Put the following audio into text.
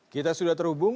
kita sudah terhubung